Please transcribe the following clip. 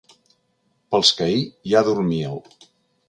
Pels que ahir ja dormíeu.